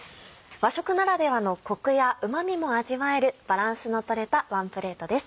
和食ならではのコクやうま味も味わえるバランスの取れたワンプレートです。